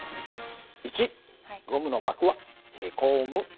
１ゴムの膜はへこむ。